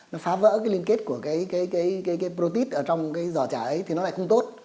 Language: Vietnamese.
nó phá vỡ cái liên kết của cái prote ở trong cái giò chả ấy thì nó lại không tốt